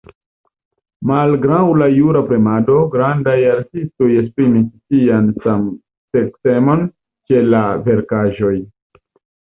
Malgraŭ la jura premado, grandaj artistoj esprimis sian samseksemon ĉe la verkaĵoj.